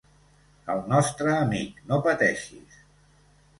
El nostre amic, no pateixis!